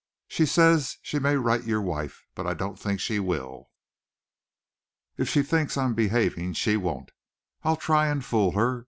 She says she may write your wife, but I don't think she will. If she thinks I'm behaving, she won't. I'll try and fool her.